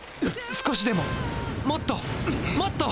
少しでももっともっと！